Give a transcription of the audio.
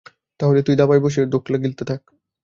তাহলে তুই ধাবায় বসে ধোকলা গিলতে থাক।